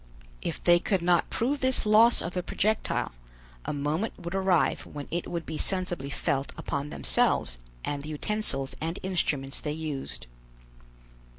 If they could not prove this loss of the projectile, a moment would arrive when it would be sensibly felt upon themselves and the utensils and instruments they used.